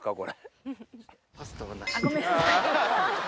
あっごめんなさい。